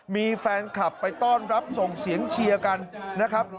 มีแฟนคลับไปต้อนรับส่งเสียงเชียร์กันนะครับ